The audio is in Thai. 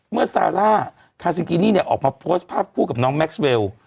ซาร่าคาซิงกินี่เนี่ยออกมาโพสต์ภาพคู่กับน้องแม็กซ์เวล